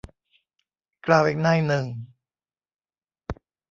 กล่าวอีกนัยหนึ่ง